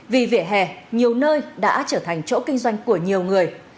vì vỉa hè nhiều nơi đã trở thành chỗ kinh doanh của nhiều người